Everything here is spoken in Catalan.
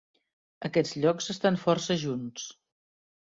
Aquests llocs estan força junts.